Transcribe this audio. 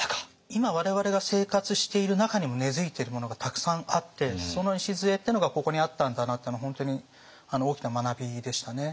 今我々が生活している中にも根づいているものがたくさんあってその礎っていうのがここにあったんだなっていうのは本当に大きな学びでしたね。